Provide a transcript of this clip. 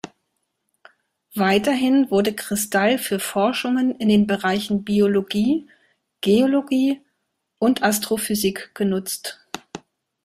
Weiterhin wurde Kristall für Forschungen in den Bereichen Biologie, Geologie und Astrophysik genutzt.